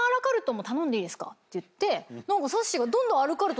って言って何かさっしーが。